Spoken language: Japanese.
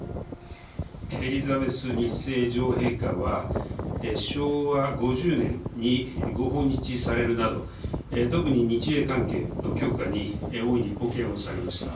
エリザベス２世女王陛下は、昭和５０年にご訪日されるなど、特に日英関係の強化に大いに貢献をされました。